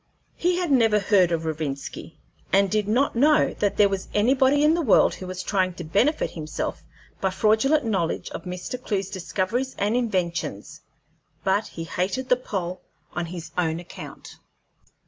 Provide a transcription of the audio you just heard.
He had never heard of Rovinski, and did not know that there was anybody in the world who was trying to benefit himself by fraudulent knowledge of Mr. Clewe's discoveries and inventions, but he hated the Pole on his own account.